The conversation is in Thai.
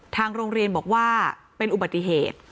ทางโรงเรียนบอกว่าเป็นอุบัติเหตุ